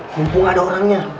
mumpung ada orangnya